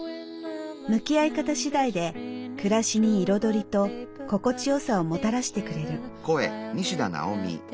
向き合い方しだいで暮らしに彩りと心地良さをもたらしてくれる。